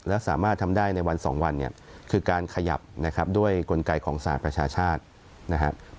และสามารถทำได้ในวันสองวันเนี่ยคือการขยับนะครับด้วยกลไกของสหประชาชาตินะครับ